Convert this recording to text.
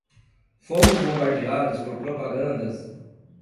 Fomos bombardeados por propagandas